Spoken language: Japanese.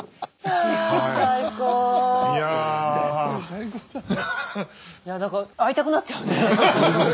いや何か会いたくなっちゃうね。